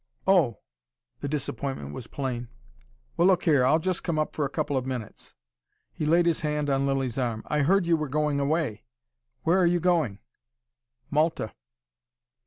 "Oh!" The disappointment was plain. "Well, look here I'll just come up for a couple of minutes." He laid his hand on Lilly's arm. "I heard you were going away. Where are you going?" "Malta."